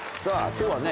今日はね